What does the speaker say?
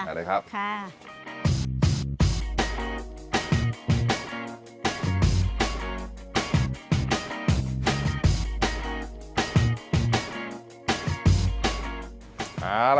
ค่ะเชิญเลยค่ะไปดูว่าไอ้เทคนิคนั้นมันคืออะไร